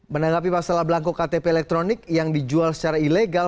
menanggapi masalah belangko ktp elektronik yang dijual secara ilegal